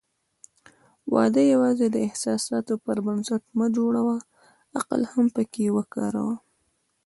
واده یوازې د احساساتو پر بنسټ مه جوړوه، عقل هم پکې وکاروه.